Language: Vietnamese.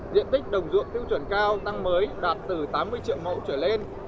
diện tích đồng ruộng tiêu chuẩn cao tăng mới đạt từ tám mươi triệu mẫu trở lên